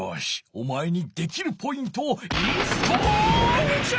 おまえにできるポイントをインストールじゃ！